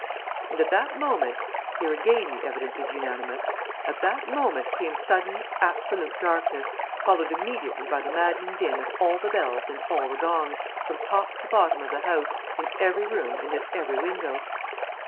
And, at that moment here again the evidence is unanimous at that moment came sudden, absolute darkness, followed immediately by the maddening din of all the bells and all the gongs, from top to bottom of the house, in every room and at every window.